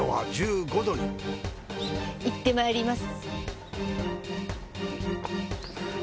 行ってまいります。